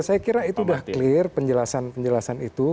saya kira itu sudah clear penjelasan penjelasan itu